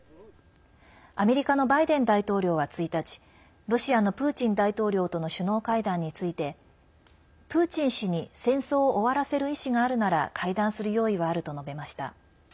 アメリカのバイデン大統領は１日ロシアのプーチン大統領との首脳会談についてプーチン氏に戦争を終わらせる意思があるなら会談する用意はあると述べました。